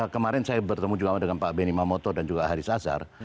kemarin saya bertemu juga dengan pak benny mamoto dan juga haris azhar